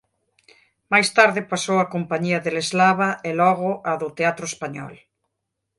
Máis tarde pasou á compañía del Eslava e logo á do Teatro Español.